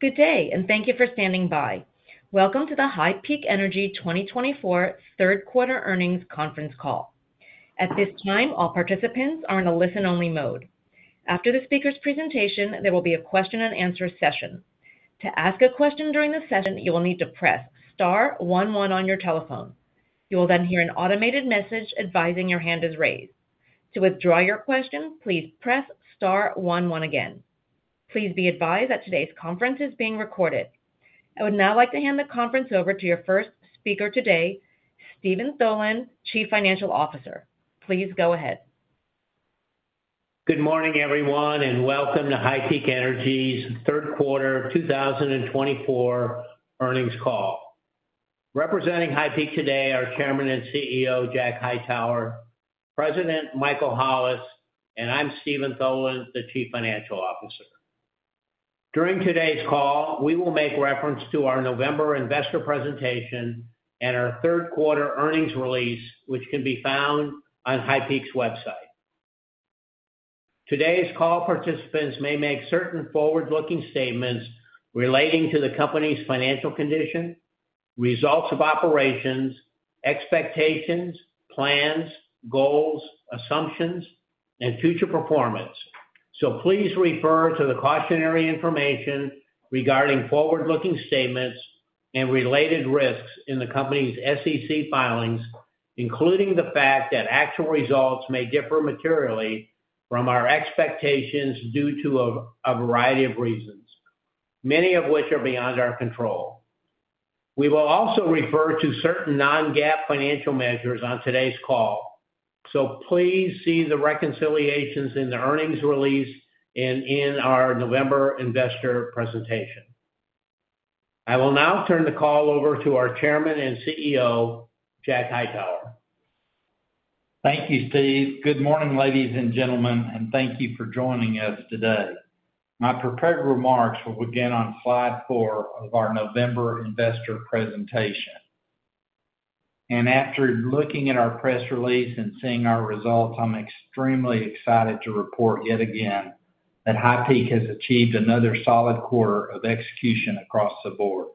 Good day, and thank you for standing by. Welcome to the HighPeak Energy 2024 third quarter earnings conference call. At this time, all participants are in a listen-only mode. After the speaker's presentation, there will be a question-and-answer session. To ask a question during the session, you will need to press star 11 on your telephone. You will then hear an automated message advising your hand is raised. To withdraw your question, please press star 11 again. Please be advised that today's conference is being recorded. I would now like to hand the conference over to your first speaker today, Steven Tholen, Chief Financial Officer. Please go ahead. Good morning, everyone, and welcome to HighPeak Energy's third quarter 2024 earnings call. Representing HighPeak today are Chairman and CEO Jack Hightower, President Michael Hollis, and I'm Steven Tholen, the Chief Financial Officer. During today's call, we will make reference to our November investor presentation and our third quarter earnings release, which can be found on HighPeak's website. Today's call participants may make certain forward-looking statements relating to the company's financial condition, results of operations, expectations, plans, goals, assumptions, and future performance. So please refer to the cautionary information regarding forward-looking statements and related risks in the company's SEC filings, including the fact that actual results may differ materially from our expectations due to a variety of reasons, many of which are beyond our control. We will also refer to certain non-GAAP financial measures on today's call. So please see the reconciliations in the earnings release and in our November investor presentation. I will now turn the call over to our Chairman and CEO, Jack Hightower. Thank you, Steve. Good morning, ladies and gentlemen, and thank you for joining us today. My prepared remarks will begin on slide four of our November investor presentation, and after looking at our press release and seeing our results, I'm extremely excited to report yet again that HighPeak has achieved another solid quarter of execution across the board.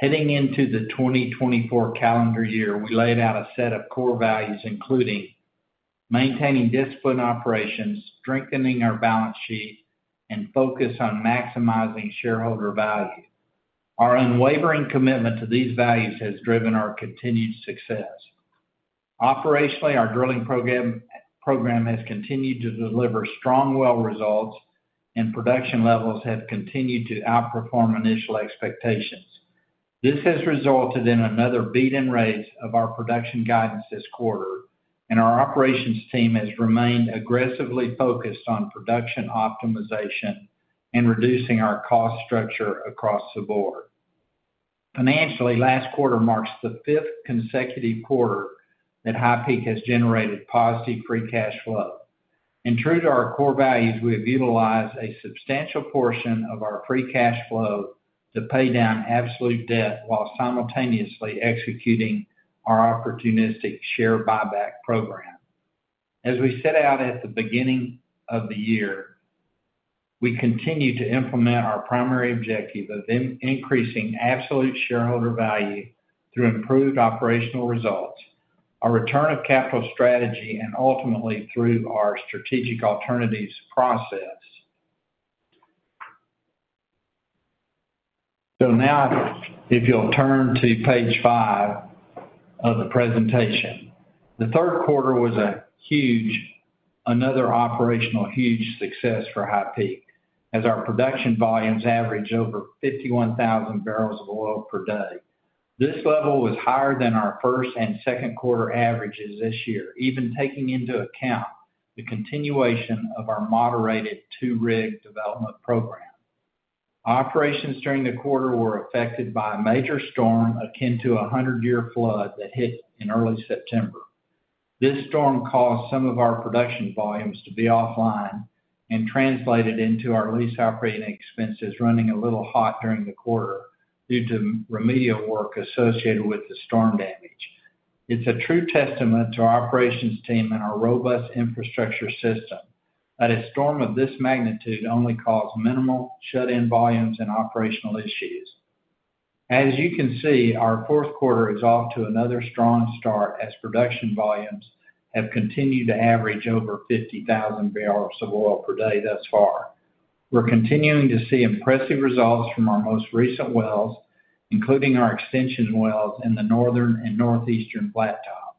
Heading into the 2024 calendar year, we laid out a set of core values, including maintaining discipline operations, strengthening our balance sheet, and focus on maximizing shareholder value. Our unwavering commitment to these values has driven our continued success. Operationally, our drilling program has continued to deliver strong, well-resulting results, and production levels have continued to outperform initial expectations. This has resulted in another beat and raise of our production guidance this quarter, and our operations team has remained aggressively focused on production optimization and reducing our cost structure across the board. Financially, last quarter marks the fifth consecutive quarter that HighPeak has generated positive free cash flow. And true to our core values, we have utilized a substantial portion of our free cash flow to pay down absolute debt while simultaneously executing our opportunistic share buyback program. As we set out at the beginning of the year, we continue to implement our primary objective of increasing absolute shareholder value through improved operational results, our return of capital strategy, and ultimately through our strategic alternatives process. So now, if you'll turn to page five of the presentation, the third quarter was another operational huge success for HighPeak as our production volumes averaged over 51,000 barrels of oil per day. This level was higher than our first and second quarter averages this year, even taking into account the continuation of our moderated two-rig development program. Operations during the quarter were affected by a major storm akin to a hundred-year flood that hit in early September. This storm caused some of our production volumes to be offline and translated into our lease operating expenses running a little hot during the quarter due to remedial work associated with the storm damage. It's a true testament to our operations team and our robust infrastructure system that a storm of this magnitude only caused minimal shut-in volumes and operational issues. As you can see, our fourth quarter is off to another strong start as production volumes have continued to average over 50,000 barrels of oil per day thus far. We're continuing to see impressive results from our most recent wells, including our extension wells in the northern and northeastern Flat Top.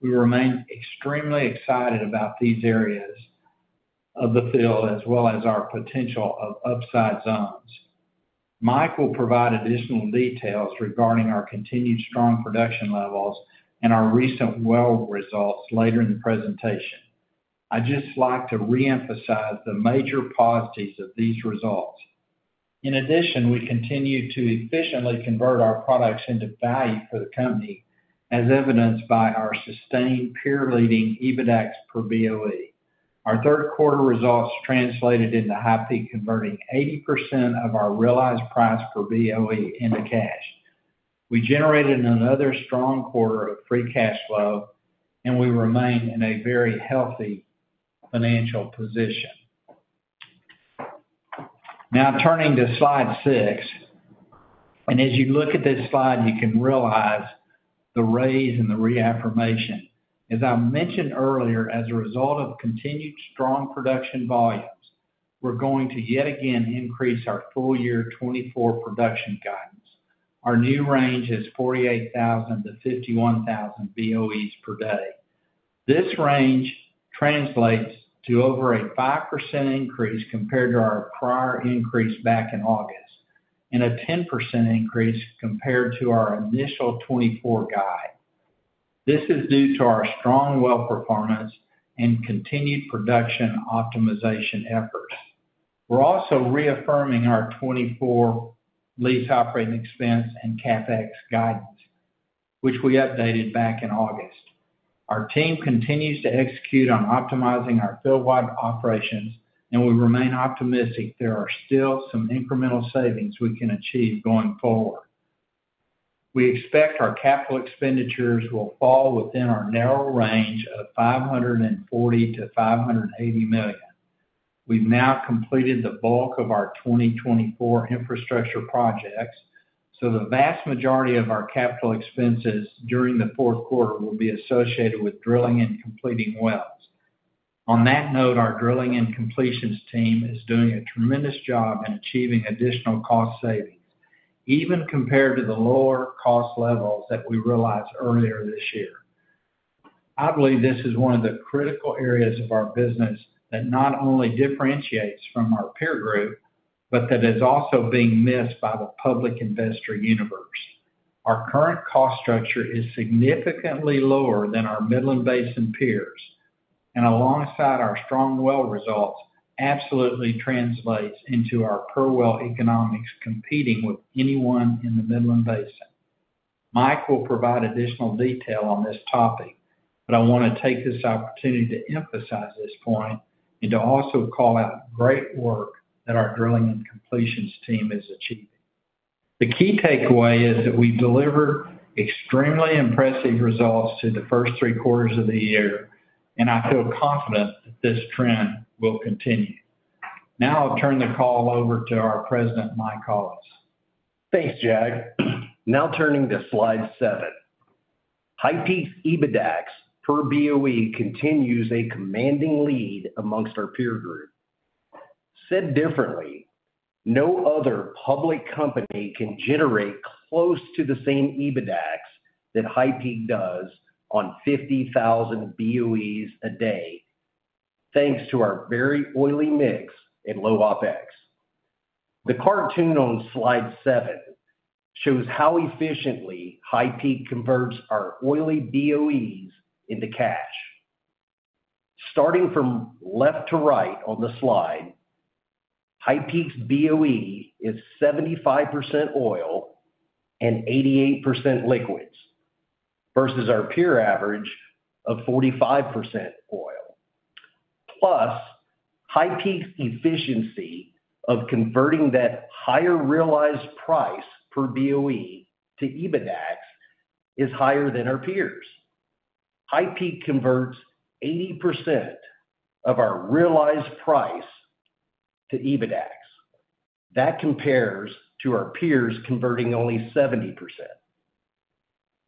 We remain extremely excited about these areas of the field as well as our potential of upside zones. Mike will provide additional details regarding our continued strong production levels and our recent well results later in the presentation. I'd just like to reemphasize the major positives of these results. In addition, we continue to efficiently convert our products into value for the company, as evidenced by our sustained peer-leading EBITDA per BOE. Our third quarter results translated into HighPeak converting 80% of our realized price per BOE into cash. We generated another strong quarter of free cash flow, and we remain in a very healthy financial position. Now, turning to slide six, and as you look at this slide, you can realize the raise and the reaffirmation. As I mentioned earlier, as a result of continued strong production volumes, we're going to yet again increase our full year 2024 production guidance. Our new range is 48,000 to 51,000 BOEs per day. This range translates to over a 5% increase compared to our prior increase back in August and a 10% increase compared to our initial 2024 guide. This is due to our strong well performance and continued production optimization efforts. We're also reaffirming our 2024 lease operating expense and CapEx guidance, which we updated back in August. Our team continues to execute on optimizing our field-wide operations, and we remain optimistic there are still some incremental savings we can achieve going forward. We expect our capital expenditures will fall within our narrow range of $540 million-$580 million. We've now completed the bulk of our 2024 infrastructure projects, so the vast majority of our capital expenses during the fourth quarter will be associated with drilling and completing wells. On that note, our drilling and completions team is doing a tremendous job in achieving additional cost savings, even compared to the lower cost levels that we realized earlier this year. I believe this is one of the critical areas of our business that not only differentiates from our peer group, but that is also being missed by the public investor universe. Our current cost structure is significantly lower than our Midland Basin peers, and alongside our strong well results, absolutely translates into our per well economics competing with anyone in the Midland Basin. Mike will provide additional detail on this topic, but I want to take this opportunity to emphasize this point and to also call out great work that our drilling and completions team is achieving. The key takeaway is that we delivered extremely impressive results through the first three quarters of the year, and I feel confident that this trend will continue. Now I'll turn the call over to our president, Mike Hollis. Thanks, Jack. Now turning to slide seven, HighPeak's EBITDA per BOE continues a commanding lead among our peer group. Said differently, no other public company can generate close to the same EBITDA that HighPeak does on 50,000 BOEs a day, thanks to our very oily mix and low OpEx. The cartoon on slide seven shows how efficiently HighPeak converts our oily BOEs into cash. Starting from left to right on the slide, HighPeak's BOE is 75% oil and 88% liquids versus our peer average of 45% oil. Plus, HighPeak's efficiency of converting that higher realized price per BOE to EBITDA is higher than our peers. HighPeak converts 80% of our realized price to EBITDA. That compares to our peers converting only 70%,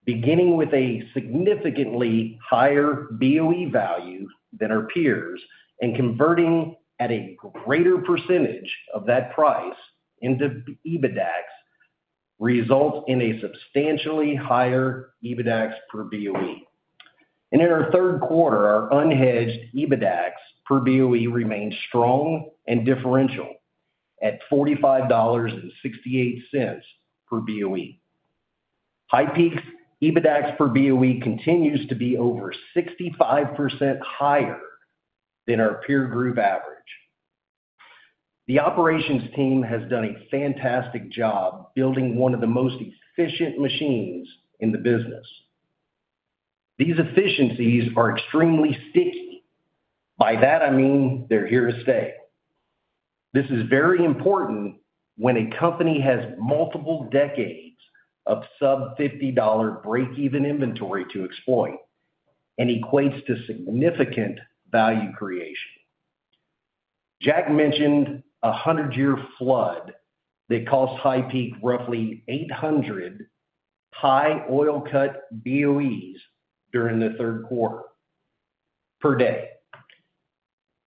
beginning with a significantly higher BOE value than our peers and converting at a greater percentage of that price into EBITDA results in a substantially higher EBITDA per BOE. And in our third quarter, our unhedged EBITDA per BOE remained strong and differential at $45.68 per BOE. HighPeak's EBITDA per BOE continues to be over 65% higher than our peer group average. The operations team has done a fantastic job building one of the most efficient machines in the business. These efficiencies are extremely sticky. By that, I mean they're here to stay. This is very important when a company has multiple decades of sub-$50 break-even inventory to exploit and equates to significant value creation. Jack mentioned a hundred-year flood that cost HighPeak roughly 800 high oil cut BOEs during the third quarter per day.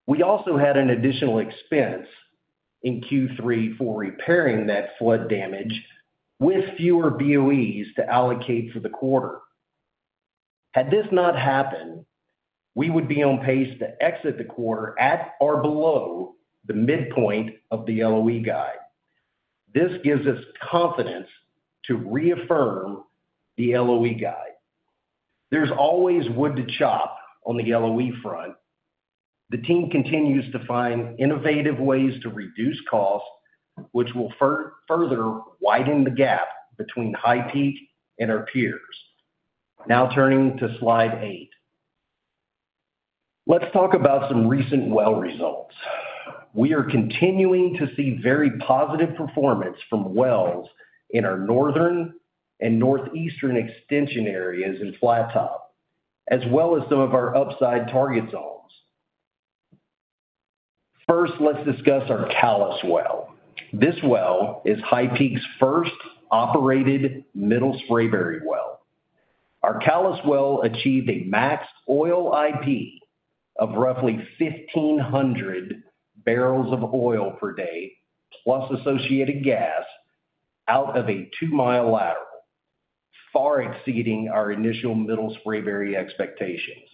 We also had an additional expense in Q3 for repairing that flood damage with fewer BOEs to allocate for the quarter. Had this not happened, we would be on pace to exit the quarter at or below the midpoint of the LOE guide. This gives us confidence to reaffirm the LOE guide. There's always wood to chop on the LOE front. The team continues to find innovative ways to reduce costs, which will further widen the gap between HighPeak and our peers. Now turning to slide eight, let's talk about some recent well results. We are continuing to see very positive performance from wells in our northern and northeastern extension areas in Flat Top, as well as some of our upside target zones. First, let's discuss our Callas well. This well is HighPeak's first operated Middle Spraberry well. Our Callas well achieved a max oil IP of roughly 1,500 barrels of oil per day, plus associated gas out of a two-mile lateral, far exceeding our initial Middle Spraberry expectations.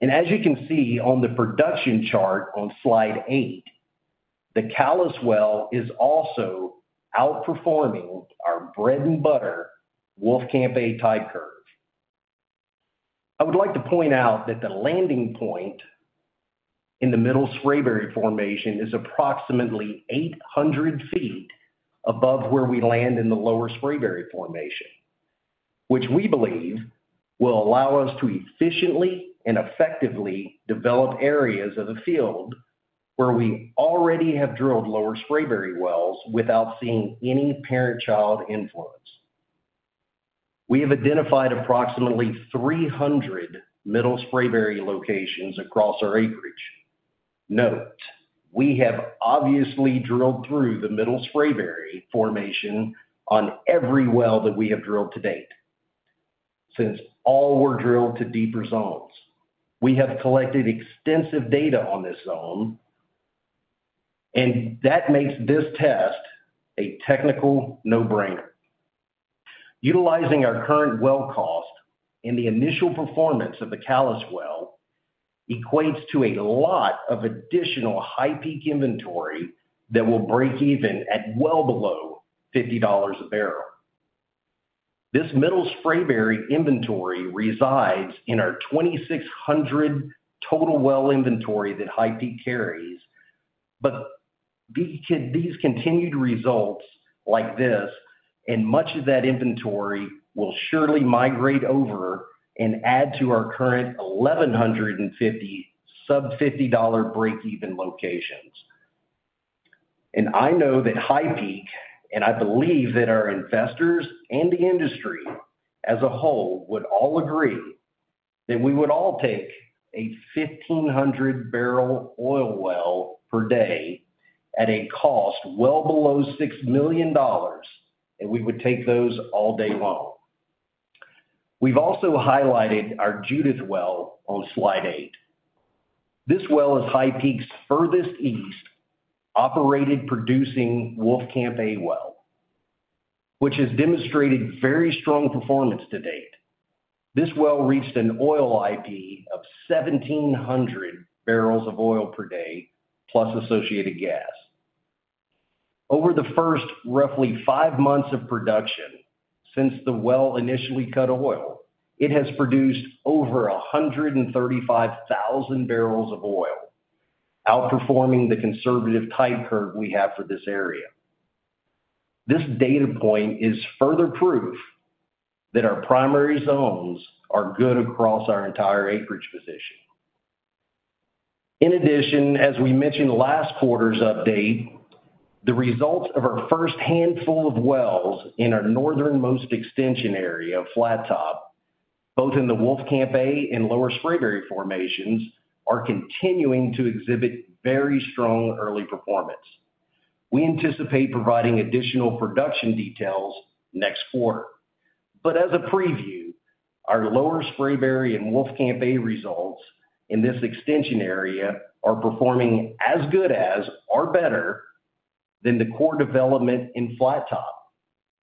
And as you can see on the production chart on slide eight, the Callas well is also outperforming our bread and butter Wolfcamp A type curve. I would like to point out that the landing point in the Middle Spraberry formation is approximately 800 feet above where we land in the Lower Spraberry formation, which we believe will allow us to efficiently and effectively develop areas of the field where we already have drilled Lower Spraberry wells without seeing any parent-child influence. We have identified approximately 300 Middle Spraberry locations across our acreage. Note, we have obviously drilled through the Middle Spraberry formation on every well that we have drilled to date. Since all were drilled to deeper zones, we have collected extensive data on this zone, and that makes this test a technical no-brainer. Utilizing our current well cost and the initial performance of the Callas well equates to a lot of additional HighPeak inventory that will break even at well below $50 a barrel. This Middle Spraberry inventory resides in our 2,600 total well inventory that HighPeak carries, but these continued results like this and much of that inventory will surely migrate over and add to our current 1,150 sub-$50 break-even locations, and I know that HighPeak, and I believe that our investors and the industry as a whole would all agree that we would all take a 1,500-barrel oil well per day at a cost well below $6 million, and we would take those all day long. We've also highlighted our Judith well on slide eight. This well is HighPeak's furthest east operated producing Wolfcamp A well, which has demonstrated very strong performance to date. This well reached an oil IP of 1,700 barrels of oil per day, plus associated gas. Over the first roughly five months of production since the well initially cut oil, it has produced over 135,000 barrels of oil, outperforming the conservative type curve we have for this area. This data point is further proof that our primary zones are good across our entire acreage position. In addition, as we mentioned last quarter's update, the results of our first handful of wells in our northernmost extension area of Flat Top, both in the Wolfcamp A and Lower Spraberry formations, are continuing to exhibit very strong early performance. We anticipate providing additional production details next quarter, but as a preview, our Lower Spraberry and Wolfcamp A results in this extension area are performing as good as or better than the core development in Flat Top,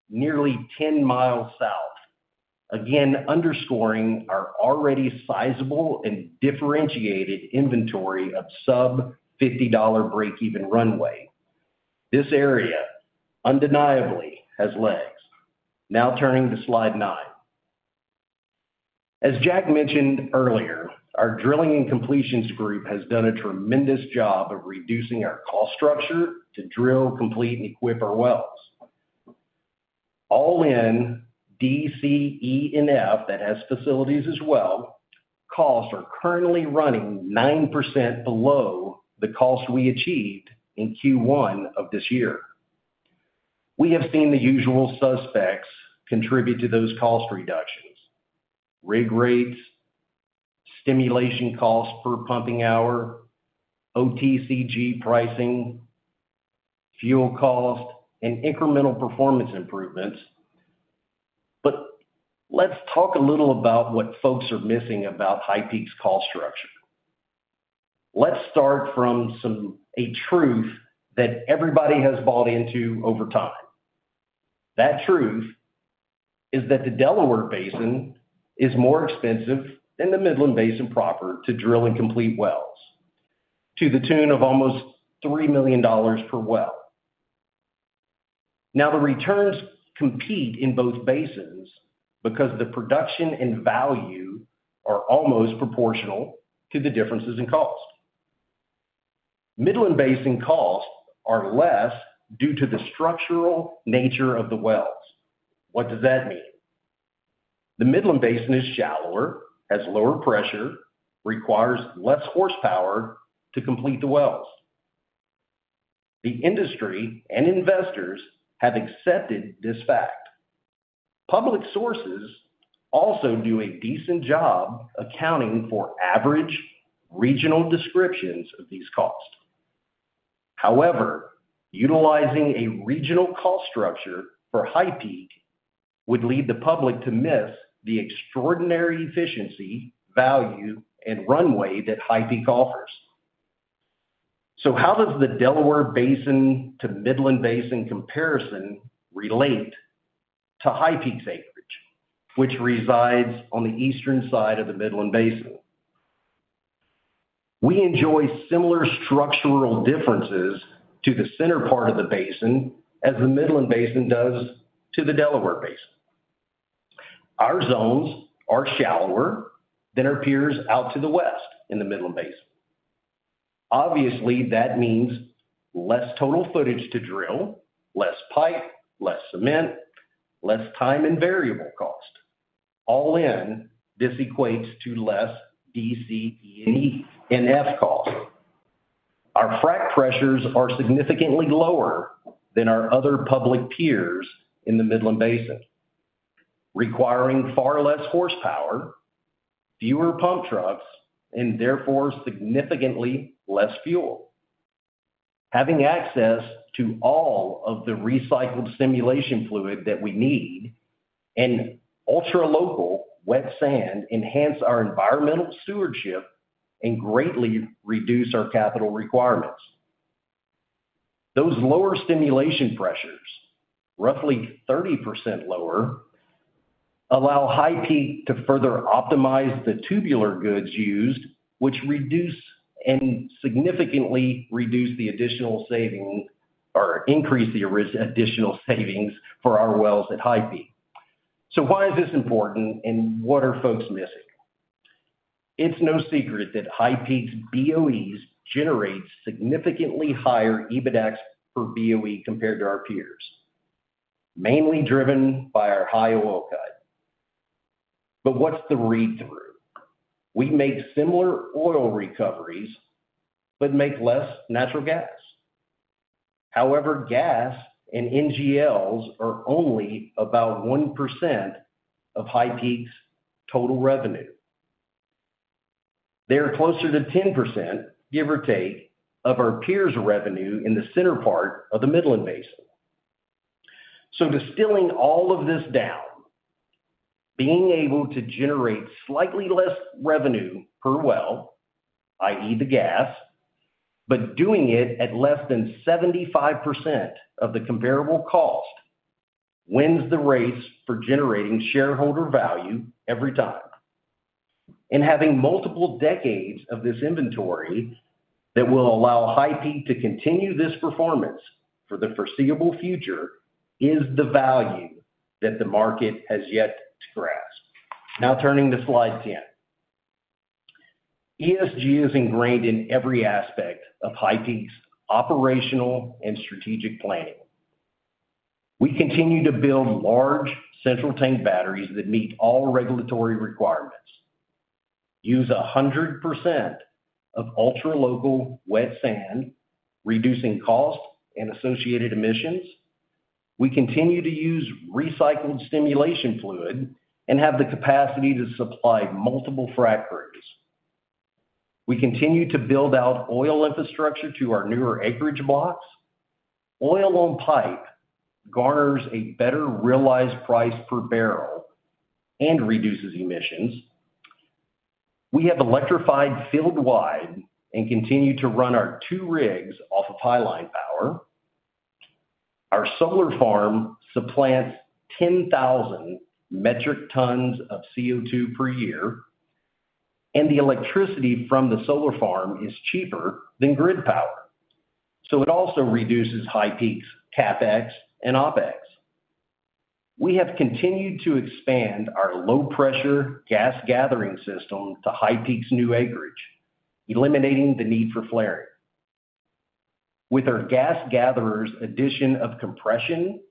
nearly 10 miles south, again underscoring our already sizable and differentiated inventory of sub-$50 break-even runway. This area undeniably has legs. Now turning to slide nine. As Jack mentioned earlier, our drilling and completions group has done a tremendous job of reducing our cost structure to drill, complete, and equip our D, C, E, and F that has facilities as well, costs are currently running 9% below the cost we achieved in Q1 of this year. We have seen the usual suspects contribute to those cost reductions: rig rates, stimulation cost per pumping hour, OCTG pricing, fuel cost, and incremental performance improvements. But let's talk a little about what folks are missing about HighPeak's cost structure. Let's start from a truth that everybody has bought into over time. That truth is that the Delaware Basin is more expensive than the Midland Basin proper to drill and complete wells, to the tune of almost $3 million per well. Now, the returns compete in both basins because the production and value are almost proportional to the differences in cost. Midland Basin costs are less due to the structural nature of the wells. What does that mean? The Midland Basin is shallower, has lower pressure, requires less horsepower to complete the wells. The industry and investors have accepted this fact. Public sources also do a decent job accounting for average regional descriptions of these costs. However, utilizing a regional cost structure for HighPeak would lead the public to miss the extraordinary efficiency, value, and runway that HighPeak offers. So how does the Delaware Basin to Midland Basin comparison relate to HighPeak's acreage, which resides on the eastern side of the Midland Basin? We enjoy similar structural differences to the center part of the basin as the Midland Basin does to the Delaware Basin. Our zones are shallower than our peers out to the west in the Midland Basin. Obviously, that means less total footage to drill, less pipe, less cement, less time, and variable cost. All in, this D, C, E, and F costs. Our frac pressures are significantly lower than our other public peers in the Midland Basin, requiring far less horsepower, fewer pump trucks, and therefore significantly less fuel. Having access to all of the recycled stimulation fluid that we need and ultra-local wet sand enhance our environmental stewardship and greatly reduce our capital requirements. Those lower stimulation pressures, roughly 30% lower, allow HighPeak to further optimize the tubular goods used, which significantly reduce the additional savings or increase the additional savings for our wells at HighPeak. So why is this important and what are folks missing? It's no secret that HighPeak's BOEs generate significantly higher EBITDA per BOE compared to our peers, mainly driven by our high oil cut. But what's the read-through? We make similar oil recoveries but make less natural gas. However, gas and NGLs are only about 1% of HighPeak's total revenue. They're closer to 10%, give or take, of our peers' revenue in the center part of the Midland Basin. Distilling all of this down, being able to generate slightly less revenue per well, i.e., the gas, but doing it at less than 75% of the comparable cost wins the race for generating shareholder value every time. Having multiple decades of this inventory that will allow HighPeak to continue this performance for the foreseeable future is the value that the market has yet to grasp. Now turning to slide 10, ESG is ingrained in every aspect of HighPeak's operational and strategic planning. We continue to build large central tank batteries that meet all regulatory requirements, use 100% of ultra-local wet sand, reducing cost and associated emissions. We continue to use recycled stimulation fluid and have the capacity to supply multiple frac crews. We continue to build out oil infrastructure to our newer acreage blocks. Oil on pipe garners a better realized price per barrel and reduces emissions. We have electrified field-wide and continue to run our two rigs off of highline power. Our solar farm supplants 10,000 metric tons of CO2 per year, and the electricity from the solar farm is cheaper than grid power, so it also reduces HighPeak's CapEx and OpEx. We have continued to expand our low-pressure gas gathering system to HighPeak's new acreage, eliminating the need for flaring. With our gas gatherers' addition of compression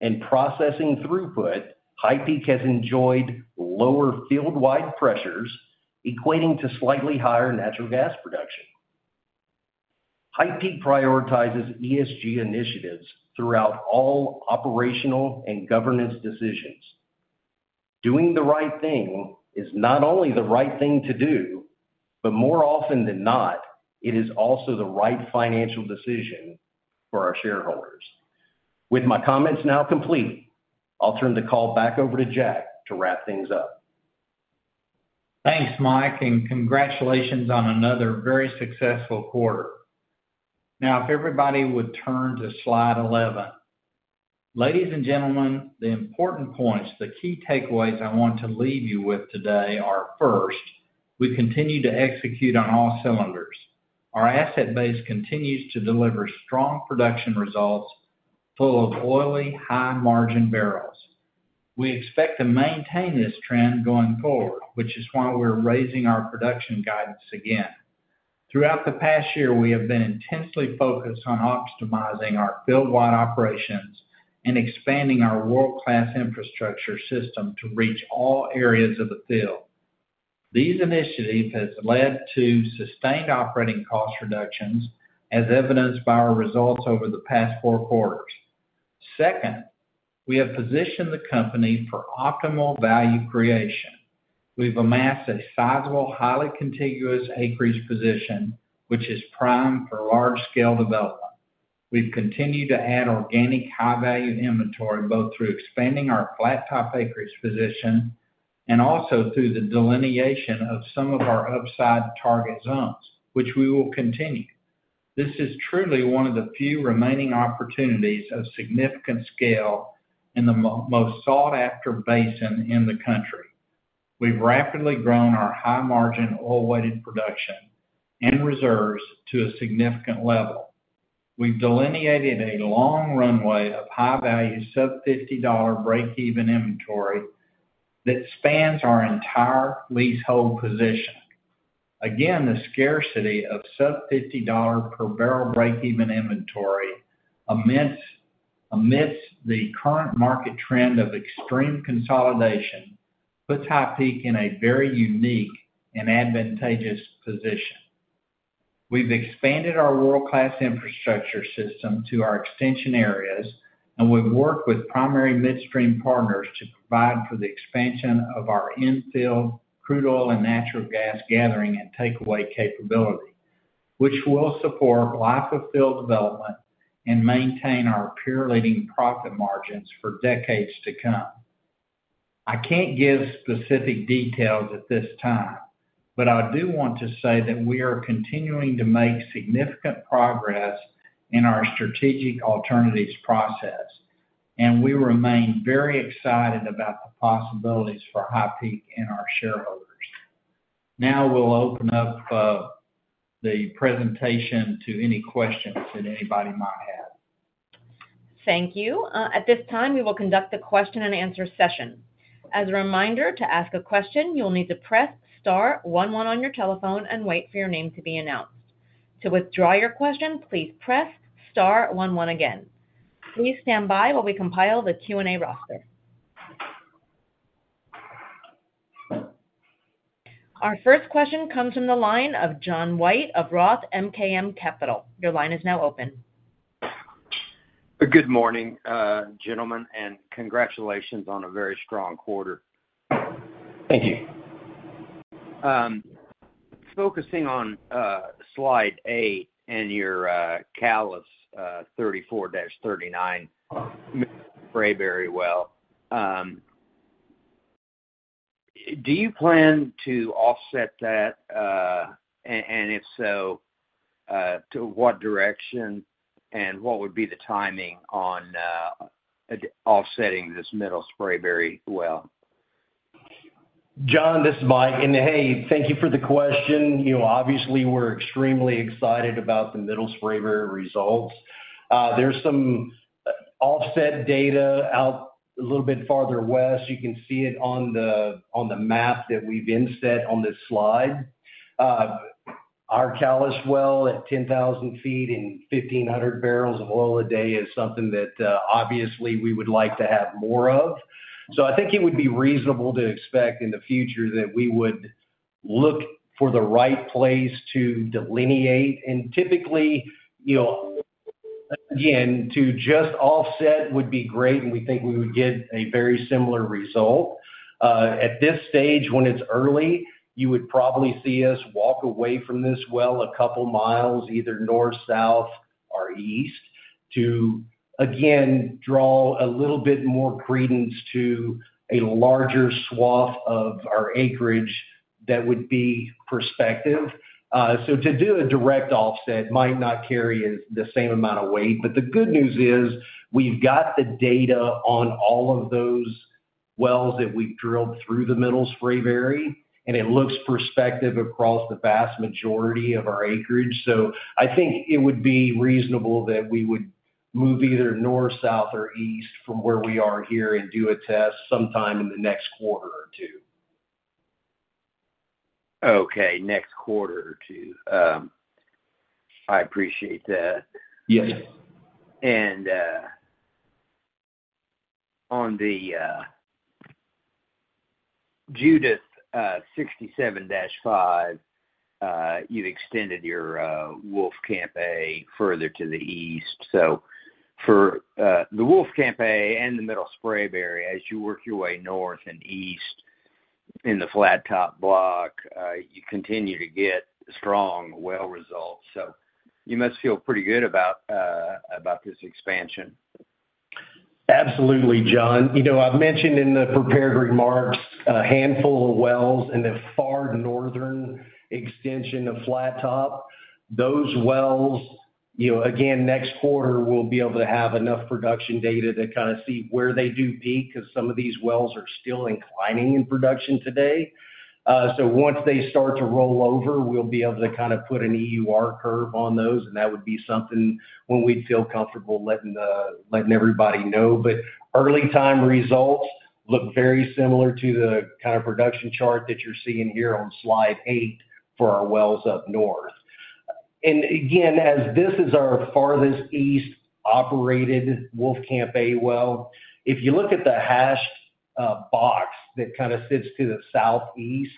and processing throughput, HighPeak has enjoyed lower field-wide pressures, equating to slightly higher natural gas production. HighPeak prioritizes ESG initiatives throughout all operational and governance decisions. Doing the right thing is not only the right thing to do, but more often than not, it is also the right financial decision for our shareholders. With my comments now complete, I'll turn the call back over to Jack to wrap things up. Thanks, Mike, and congratulations on another very successful quarter. Now, if everybody would turn to slide 11. Ladies and gentlemen, the important points, the key takeaways I want to leave you with today are: first, we continue to execute on all cylinders. Our asset base continues to deliver strong production results full of oily, high-margin barrels. We expect to maintain this trend going forward, which is why we're raising our production guidance again. Throughout the past year, we have been intensely focused on optimizing our field-wide operations and expanding our world-class infrastructure system to reach all areas of the field. These initiatives have led to sustained operating cost reductions, as evidenced by our results over the past four quarters. Second, we have positioned the company for optimal value creation. We've amassed a sizable, highly contiguous acreage position, which is prime for large-scale development. We've continued to add organic, high-value inventory both through expanding our Flat Top acreage position and also through the delineation of some of our upside target zones, which we will continue. This is truly one of the few remaining opportunities of significant scale in the most sought-after basin in the country. We've rapidly grown our high-margin oil-weighted production and reserves to a significant level. We've delineated a long runway of high-value sub-$50 break-even inventory that spans our entire leasehold position. Again, the scarcity of sub-$50 per barrel break-even inventory amidst the current market trend of extreme consolidation puts HighPeak in a very unique and advantageous position. We've expanded our world-class infrastructure system to our extension areas, and we've worked with primary midstream partners to provide for the expansion of our infield crude oil and natural gas gathering and takeaway capability, which will support life-of-field development and maintain our peer-leading profit margins for decades to come. I can't give specific details at this time, but I do want to say that we are continuing to make significant progress in our strategic alternatives process, and we remain very excited about the possibilities for HighPeak and our shareholders. Now we'll open up the presentation to any questions that anybody might have. Thank you. At this time, we will conduct the question-and-answer session. As a reminder, to ask a question, you'll need to press star 11 on your telephone and wait for your name to be announced. To withdraw your question, please press star 11 again. Please stand by while we compile the Q&A roster. Our first question comes from the line of John White of Roth MKM. Your line is now open. Good morning, gentlemen, and congratulations on a very strong quarter. Thank you. Focusing on slide 8 and your Callas 34-39, Middle Spraberry well, do you plan to offset that? And if so, to what direction? And what would be the timing on offsetting this Middle Spraberry well? John, this is Mike. And hey, thank you for the question. Obviously, we're extremely excited about the Middle Spraberry results. There's some offset data out a little bit farther west. You can see it on the map that we've inset on this slide. Our Callas well at 10,000 feet and 1,500 barrels of oil a day is something that obviously we would like to have more of. I think it would be reasonable to expect in the future that we would look for the right place to delineate. Typically, again, to just offset would be great, and we think we would get a very similar result. At this stage, when it's early, you would probably see us walk away from this well a couple of miles, either north, south, or east, to again draw a little bit more credence to a larger swath of our acreage that would be prospective. To do a direct offset might not carry the same amount of weight. The good news is we've got the data on all of those wells that we've drilled through the Middle Spraberry, and it looks prospective across the vast majority of our acreage. So I think it would be reasonable that we would move either north, south, or east from where we are here and do a test sometime in the next quarter or two. Okay. Next quarter or two. I appreciate that. And on the Judith 67-5, you've extended your Wolfcamp A further to the east. So for the Wolfcamp A and the Middle Spraberry, as you work your way north and east in the Flat Top block, you continue to get strong well results. So you must feel pretty good about this expansion. Absolutely, John. I've mentioned in the prepared remarks a handful of wells in the far northern extension of Flat Top. Those wells, again, next quarter, we'll be able to have enough production data to kind of see where they do peak because some of these wells are still inclining in production today. Once they start to roll over, we'll be able to kind of put an EUR curve on those, and that would be something when we'd feel comfortable letting everybody know. But early-time results look very similar to the kind of production chart that you're seeing here on slide 8 for our wells up north. And again, as this is our farthest east operated Wolfcamp A well, if you look at the hashed box that kind of sits to the southeast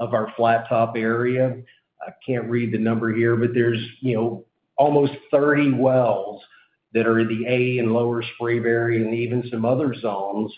of our Flat Top area, I can't read the number here, but there's almost 30 wells that are in the A and Lower Spraberry and even some other zones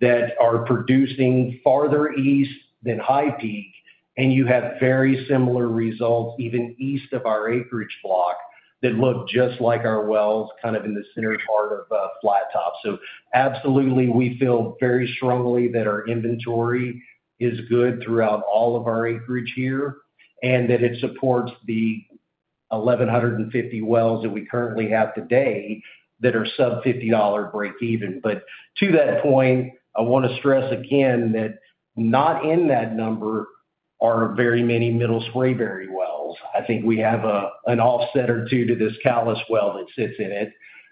that are producing farther east than HighPeak. And you have very similar results even east of our acreage block that look just like our wells kind of in the center part of Flat Top. So absolutely, we feel very strongly that our inventory is good throughout all of our acreage here and that it supports the 1,150 wells that we currently have today that are sub-$50 break-even. But to that point, I want to stress again that not in that number are very many Middle Spraberry wells. I think we have an offset or two to this Callas well that sits in it.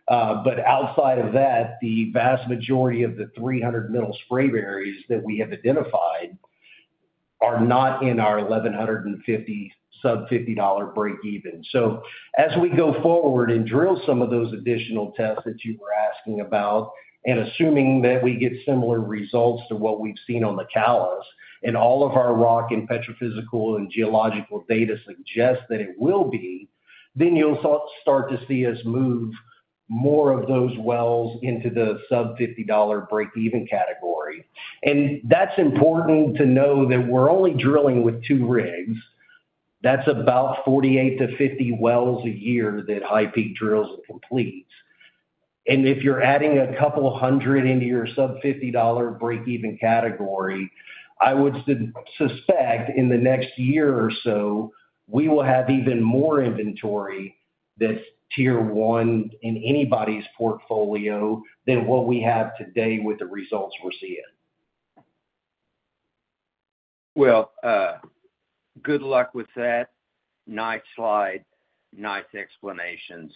But outside of that, the vast majority of the 300 Middle Spraberry that we have identified are not in our 1,150 sub-$50 break-even. As we go forward and drill some of those additional tests that you were asking about, and assuming that we get similar results to what we've seen on the Callas and all of our rock and petrophysical and geological data suggest that it will be, then you'll start to see us move more of those wells into the sub-$50 break-even category. That's important to know that we're only drilling with two rigs. That's about 48-50 wells a year that HighPeak drills and completes. If you're adding a couple of hundred into your sub-$50 break-even category, I would suspect in the next year or so, we will have even more inventory that's tier one in anybody's portfolio than what we have today with the results we're seeing. Well, good luck with that. Nice slide. Nice explanations.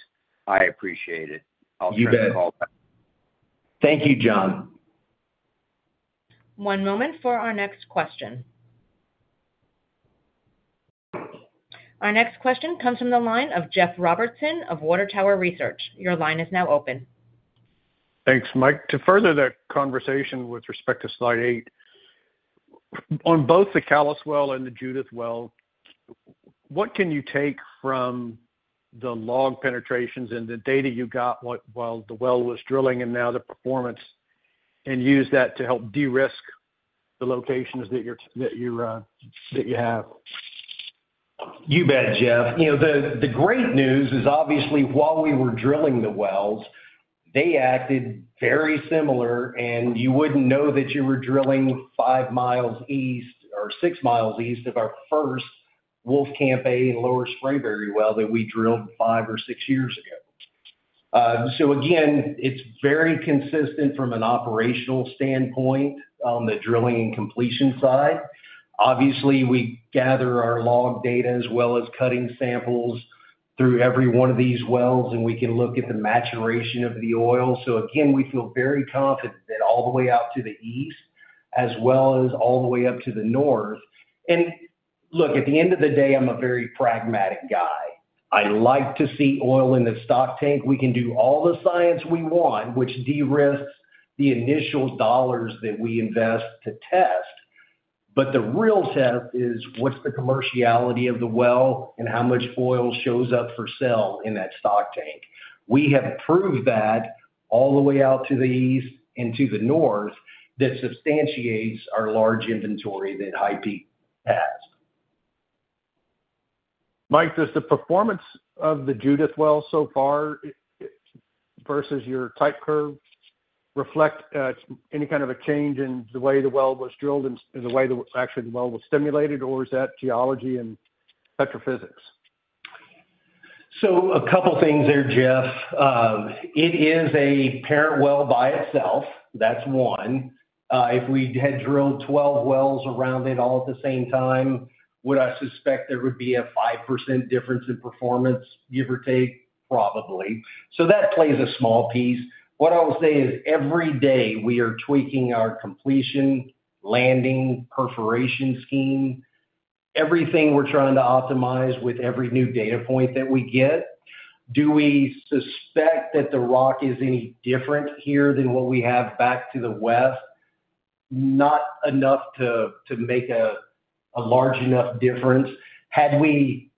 I appreciate it. I'll turn the call back. You bet. Thank you, John. One moment for our next question. Our next question comes from the line of Jeff Robertson of Water Tower Research. Your line is now open. Thanks, Mike. To further that conversation with respect to slide 8, on both the Callas well and the Judith well, what can you take from the log penetrations and the data you got while the well was drilling and now the performance and use that to help de-risk the locations that you have? You bet, Jeff. The great news is obviously while we were drilling the wells, they acted very similar, and you wouldn't know that you were drilling five miles east or six miles east of our first Wolfcamp A and Lower Spraberry well that we drilled five or six years ago. So again, it's very consistent from an operational standpoint on the drilling and completion side. Obviously, we gather our log data as well as cutting samples through every one of these wells, and we can look at the maturation of the oil. So again, we feel very confident that all the way out to the east as well as all the way up to the north. And look, at the end of the day, I'm a very pragmatic guy. I like to see oil in the stock tank. We can do all the science we want, which de-risk the initial dollars that we invest to test. But the real test is what's the commerciality of the well and how much oil shows up for sale in that stock tank. We have proved that all the way out to the east and to the north that substantiates our large inventory that HighPeak has. Mike, does the performance of the Judith well so far versus your type curve reflect any kind of a change in the way the well was drilled and the way that actually the well was stimulated, or is that geology and petrophysics? So a couple of things there, Jeff. It is a parent well by itself. That's one. If we had drilled 12 wells around it all at the same time, would I suspect there would be a 5% difference in performance, give or take? Probably. So that plays a small piece. What I will say is every day we are tweaking our completion, landing, perforation scheme, everything we're trying to optimize with every new data point that we get. Do we suspect that the rock is any different here than what we have back to the west? Not enough to make a large enough difference. Had we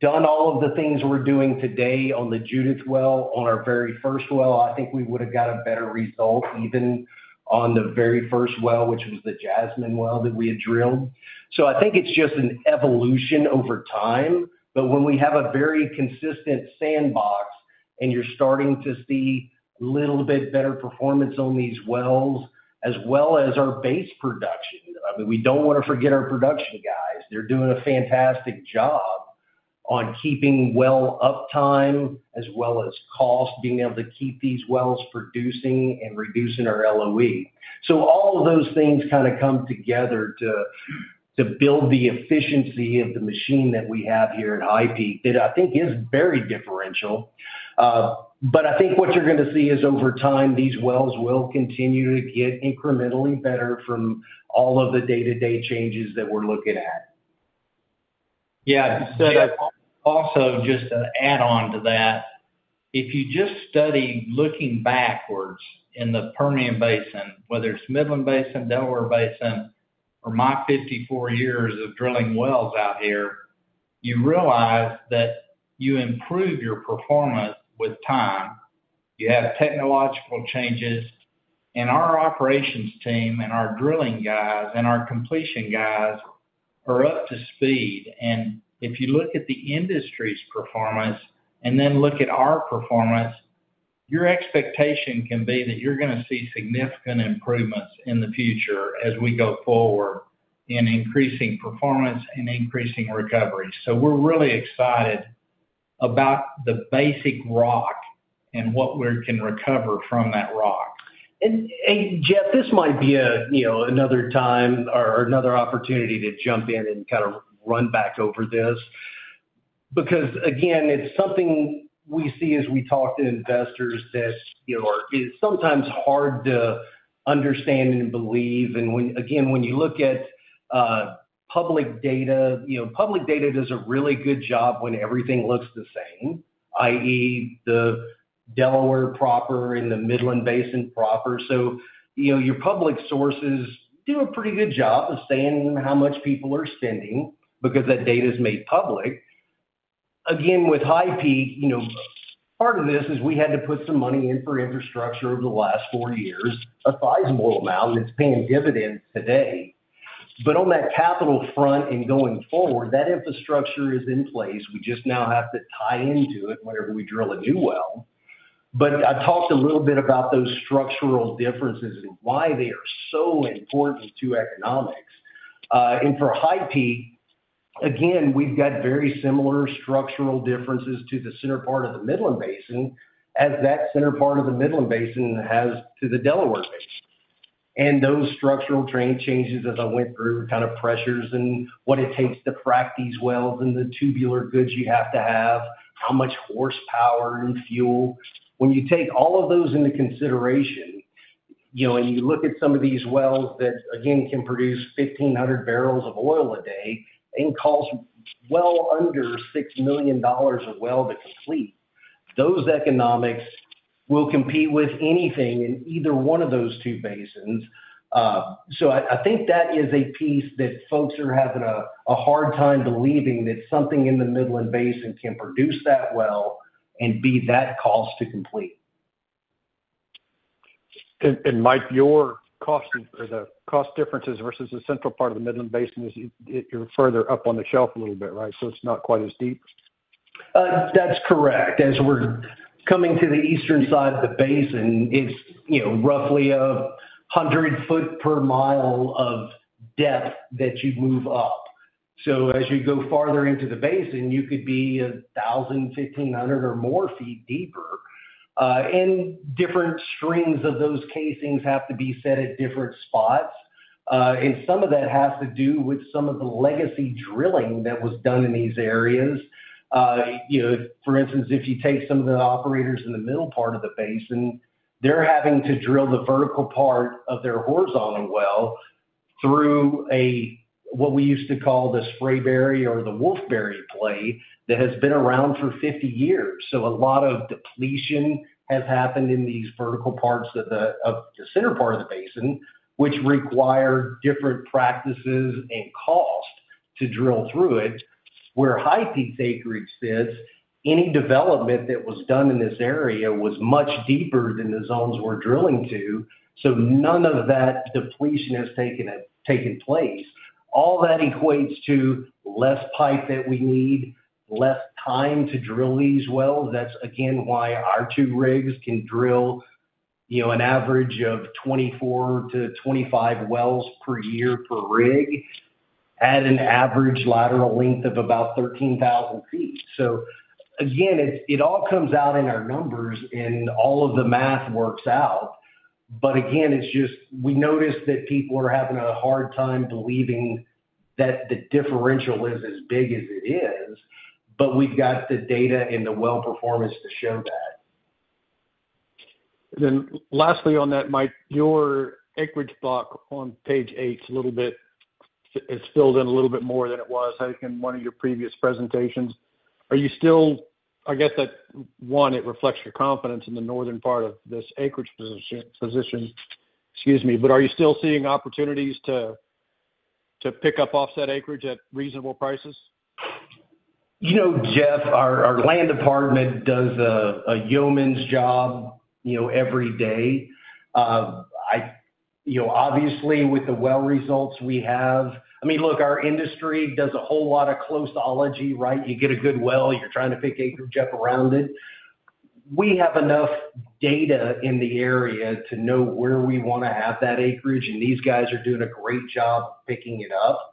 done all of the things we're doing today on the Judith well, on our very first well, I think we would have got a better result even on the very first well, which was the Jasmine well that we had drilled. So I think it's just an evolution over time. But when we have a very consistent sandbox and you're starting to see a little bit better performance on these wells as well as our base production, I mean, we don't want to forget our production guys. They're doing a fantastic job on keeping well uptime as well as cost, being able to keep these wells producing and reducing our LOE. So all of those things kind of come together to build the efficiency of the machine that we have here at HighPeak that I think is very differential. But I think what you're going to see is over time, these wells will continue to get incrementally better from all of the day-to-day changes that we're looking at. Yeah. So also just to add on to that, if you just study looking backwards in the Permian Basin, whether it's Midland Basin, Delaware Basin, or my 54 years of drilling wells out here, you realize that you improve your performance with time. You have technological changes. And our operations team and our drilling guys and our completion guys are up to speed. And if you look at the industry's performance and then look at our performance, your expectation can be that you're going to see significant improvements in the future as we go forward in increasing performance and increasing recovery. So we're really excited about the basic rock and what we can recover from that rock. Jeff, this might be another time or another opportunity to jump in and kind of run back over this because again, it's something we see as we talk to investors that is sometimes hard to understand and believe. And again, when you look at public data, public data does a really good job when everything looks the same, i.e., the Delaware Basin proper and the Midland Basin proper. So your public sources do a pretty good job of saying how much people are spending because that data is made public. Again, with HighPeak, part of this is we had to put some money in for infrastructure over the last four years, a sizable amount that's paying dividends today. But on that capital front and going forward, that infrastructure is in place. We just now have to tie into it whenever we drill a new well. But I've talked a little bit about those structural differences and why they are so important to economics. And for HighPeak, again, we've got very similar structural differences to the center part of the Midland Basin as that center part of the Midland Basin has to the Delaware Basin. And those structural terrain changes as I went through kind of pressures and what it takes to frac these wells and the tubular goods you have to have, how much horsepower and fuel. When you take all of those into consideration and you look at some of these wells that, again, can produce 1,500 barrels of oil a day and cost well under $6 million a well to complete, those economics will compete with anything in either one of those two basins. I think that is a piece that folks are having a hard time believing that something in the Midland Basin can produce that well and be that cost to complete. Mike, your cost differences versus the central part of the Midland Basin, you're further up on the shelf a little bit, right? It's not quite as deep. That's correct. As we're coming to the eastern side of the basin, it's roughly a hundred foot per mile of depth that you move up. As you go farther into the basin, you could be 1,000, 1,500, or more feet deeper. Different strings of those casings have to be set at different spots. Some of that has to do with some of the legacy drilling that was done in these areas. For instance, if you take some of the operators in the middle part of the basin, they're having to drill the vertical part of their horizontal well through what we used to call the Spraberry or the Wolfberry play that has been around for 50 years. So a lot of depletion has happened in these vertical parts of the center part of the basin, which required different practices and cost to drill through it. Where HighPeak's acreage sits, any development that was done in this area was much deeper than the zones we're drilling to. So none of that depletion has taken place. All that equates to less pipe that we need, less time to drill these wells. That's, again, why our two rigs can drill an average of 24-25 wells per year per rig at an average lateral length of about 13,000 feet. So again, it all comes out in our numbers and all of the math works out. But again, it's just we noticed that people are having a hard time believing that the differential is as big as it is. But we've got the data and the well performance to show that. And then lastly on that, Mike, your acreage block on page eight is filled in a little bit more than it was, I think, in one of your previous presentations. Are you still, I guess that one, it reflects your confidence in the northern part of this acreage position. Excuse me. But are you still seeing opportunities to pick up offset acreage at reasonable prices? You know, Jeff, our land department does a yeoman's job every day. Obviously, with the well results we have, I mean, look, our industry does a whole lot of closeology, right? You get a good well, you're trying to pick acreage up around it. We have enough data in the area to know where we want to have that acreage. And these guys are doing a great job picking it up.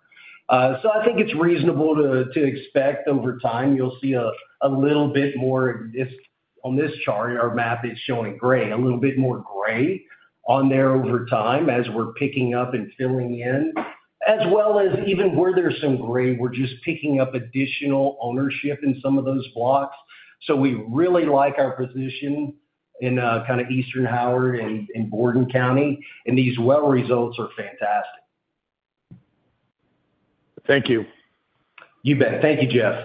So I think it's reasonable to expect over time you'll see a little bit more on this chart, our map is showing gray, a little bit more gray on there over time as we're picking up and filling in, as well as even where there's some gray, we're just picking up additional ownership in some of those blocks. So we really like our position in kind of eastern Howard and Borden County. And these well results are fantastic. Thank you. You bet. Thank you, Jeff.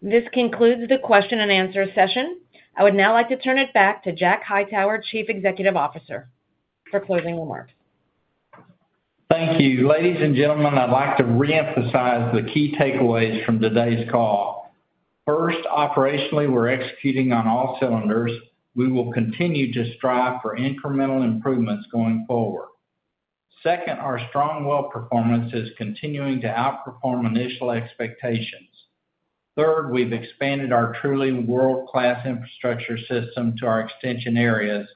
This concludes the question and answer session. I would now like to turn it back to Jack Hightower, Chief Executive Officer, for closing remarks. Thank you. Ladies and gentlemen, I'd like to reemphasize the key takeaways from today's call. First, operationally, we're executing on all cylinders. We will continue to strive for incremental improvements going forward. Second, our strong well performance is continuing to outperform initial expectations. Third, we've expanded our truly world-class infrastructure system to our extension areas,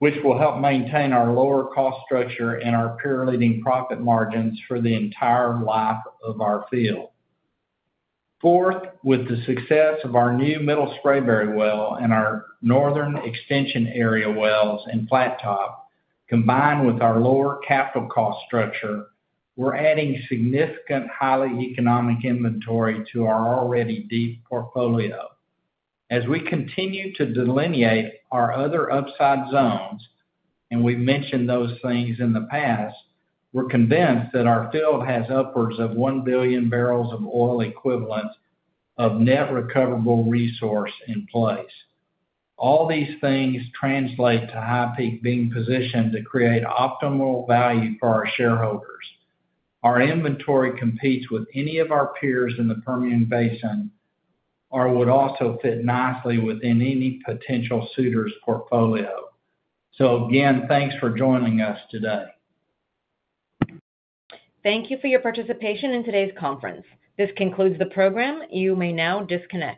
which will help maintain our lower cost structure and our peer-leading profit margins for the entire life of our field. Fourth, with the success of our new Middle Spraberry well and our northern extension area wells and Flat Top, combined with our lower capital cost structure, we're adding significant highly economic inventory to our already deep portfolio. As we continue to delineate our other upside zones, and we've mentioned those things in the past, we're convinced that our field has upwards of one billion barrels of oil equivalent of net recoverable resource in place. All these things translate to HighPeak being positioned to create optimal value for our shareholders. Our inventory competes with any of our peers in the Permian Basin or would also fit nicely within any potential suitors portfolio. So again, thanks for joining us today. Thank you for your participation in today's conference. This concludes the program. You may now disconnect.